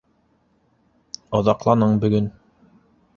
-Оҙаҡланың бөгөн.